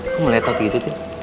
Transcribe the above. kok meletot gitu tini